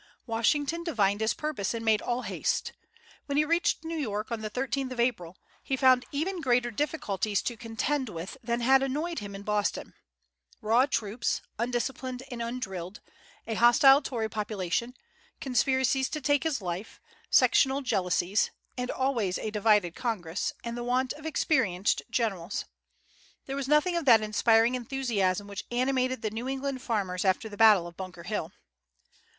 Washington divined his purpose and made all haste. When he reached New York, on the 13th of April, he found even greater difficulties to contend with than had annoyed him in Boston: raw troops, undisciplined and undrilled, a hostile Tory population, conspiracies to take his life, sectional jealousies, and always a divided Congress, and the want of experienced generals. There was nothing of that inspiring enthusiasm which animated the New England farmers after the battle of Bunker Hill.